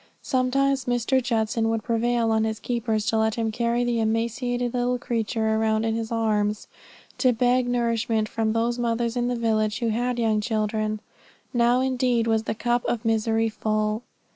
Sometimes Mr. Judson would prevail on his keepers to let him carry the emaciated little creature around in his arms, to beg nourishment from those mothers in the village who had young children. Now indeed was the cup of misery full.